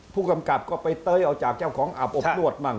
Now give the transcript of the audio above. ผู้กำกับก็ไปเต้ยเอาจากเจ้าของอาบอบนวดมั่ง